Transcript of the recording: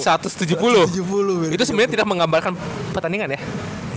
itu sebenarnya tidak menggambarkan pertandingan ya